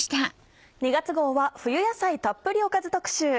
２月号は冬野菜たっぷりおかず特集。